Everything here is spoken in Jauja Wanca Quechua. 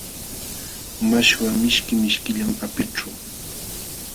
Mashwa mishki mishkillam apićhu.